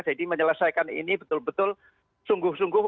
jadi menyelesaikan ini betul betul sungguh sungguh